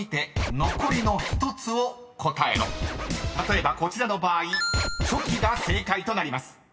［例えばこちらの場合「チョキ」が正解となります］